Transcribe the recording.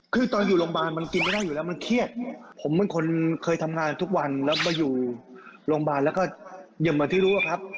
คือตอนอยู่โรงพยาบาลมันกินไม่ได้อยู่แล้วมันเครียดผมเป็นคนเคยทำงานทุกวันแล้วมาอยู่โรงพยาบาลแล้วก็อย่างเหมือนที่รู้อะครับ